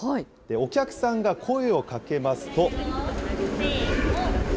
お客さんが声をかけますと。